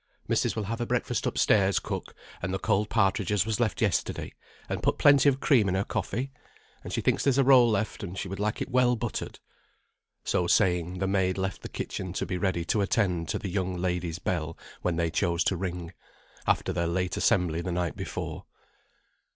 "Missis will have her breakfast up stairs, cook, and the cold partridge as was left yesterday, and put plenty of cream in her coffee, and she thinks there's a roll left, and she would like it well buttered." So saying, the maid left the kitchen to be ready to attend to the young ladies' bell when they chose to ring, after their late assembly the night before.